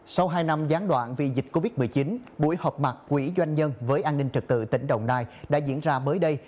sau hai năm gián đoạn vì dịch covid một mươi chín buổi họp mặt quỹ doanh nhân với an ninh trật tự tỉnh đồng nai đã diễn ra mới đây